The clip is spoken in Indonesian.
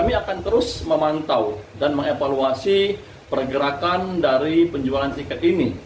kami akan terus memantau dan mengevaluasi pergerakan dari penjualan tiket ini